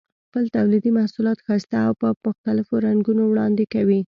خپل تولیدي محصولات ښایسته او په مختلفو رنګونو وړاندې کوي.